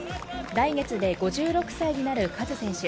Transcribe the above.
来月で５６歳になるカズ選手。